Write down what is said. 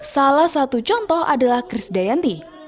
salah satu contoh adalah kris dayanti